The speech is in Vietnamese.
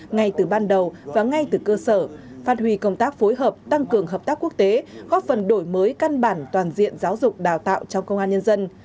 ngay từ ban đầu và ngay từ cơ sở phát huy công tác phối hợp tăng cường hợp tác quốc tế góp phần đổi mới căn bản toàn diện giáo dục đào tạo trong công an nhân dân